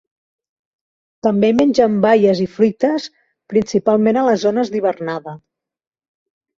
També mengen baies i fruites, principalment a les zones d'hivernada.